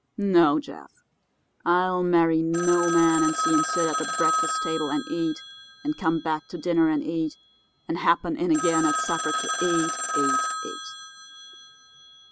No, Jeff; I'll marry no man and see him sit at the breakfast table and eat, and come back to dinner and eat, and happen in again at supper to eat, eat, eat.